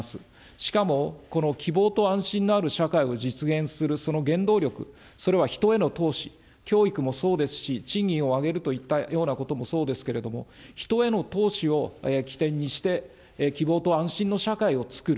しかも、この希望と安心のある社会を実現するその原動力、それは人への投資、教育もそうですし、賃金を上げるといったようなこともそうですけれども、人への投資を起点にして、希望と安心の社会をつくる。